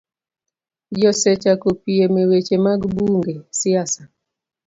Ji osechako piem e weche mag bunge, siasa,